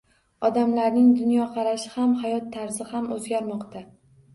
Odamlarning dunyoqarashi ham, hayot tarzi ham o‘zgarmoqda